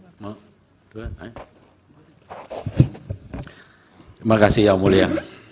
terima kasih yang mulia